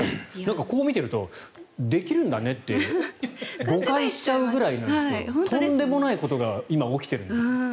こう見てるとできるんだねって誤解しちゃうぐらいとんでもないことが今、起きているんです。